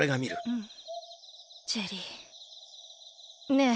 ねえ。